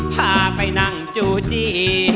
พาไปนั่งจูจี